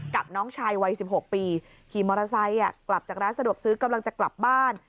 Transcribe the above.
กับน้องชายวัย๑๖ปีขี่มอเตอร์ไซค์กลับจากร้านสะดวกซื้อกำลังจะกลับบ้าน